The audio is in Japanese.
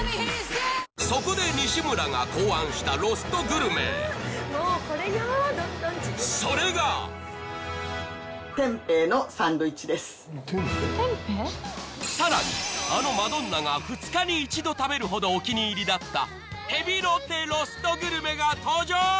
そこで西邨が考案したロストグルメそれが更にあのマドンナが２日に１度食べるほどお気に入りだったヘビロテロストグルメが登場